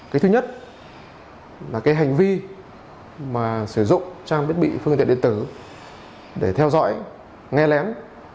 cái thứ nhất là cái hành vi mà sử dụng trang bị phương tiện điện tử để theo dõi nghe lén